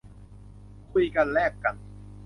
คุยกัน แลกกัน